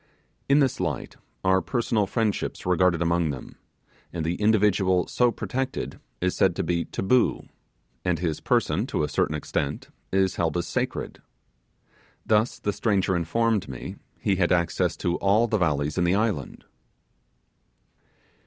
In this light are personal friendships regarded among them, and the individual so protected is said to be 'taboo', and his person, to a certain extent, is held as sacred. Thus the stranger informed me he had access to all the valleys in the island.